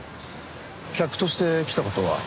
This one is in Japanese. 客として来た事は？